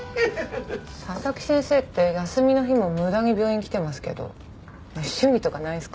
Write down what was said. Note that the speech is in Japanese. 佐々木先生って休みの日も無駄に病院来てますけど趣味とかないんすか？